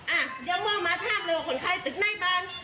อ่ะเดี๋ยวมอตรอดมาทากเร็วคนไข้ตึกในบ้าน